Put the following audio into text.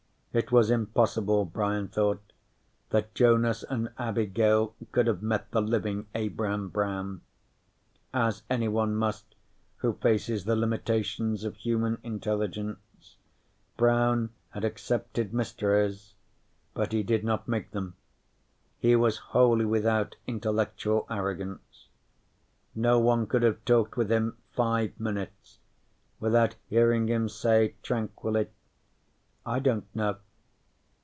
It was impossible, Brian thought, that Jonas and Abigail could have met the living Abraham Brown. As anyone must who faces the limitations of human intelligence, Brown had accepted mysteries, but he did not make them. He was wholly without intellectual arrogance. No one could have talked with him five minutes without hearing him say tranquilly: "I don't know."